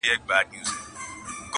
وینا نه وه بلکه غپا یې کوله -